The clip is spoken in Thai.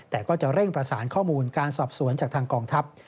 แต่ก็จะเร่งประสานข้อมูลการสอบสวนจากทางกองทัพ